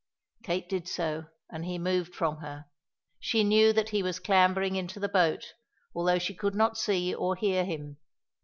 Kate did so, and he moved from her. She knew that he was clambering into the boat, although she could not see or hear him.